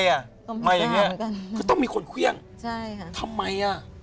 ต้องมีคนเควี้ยงทำไมอ่ะคือต้องมีคนเควี้ยงคือต้องมีคนเควี้ยงทำไมอ่ะคือต้องมีคนเควี้ยงใช่ค่ะ